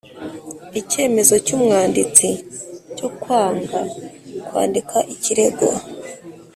Icyemezo cy’umwanditsi cyo kwanga kwandika ikirego